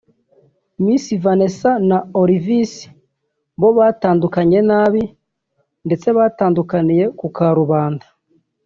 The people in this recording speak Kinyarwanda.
Miss Vanessa na Olivis bo batandukanye nabi ndetse batukaniye ku karubanda